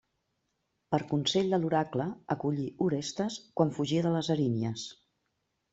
Per consell de l'oracle, acollí Orestes quan fugia de les Erínies.